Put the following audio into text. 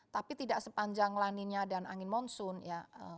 tapi tidak sepanjang laninya dan angin monsun ya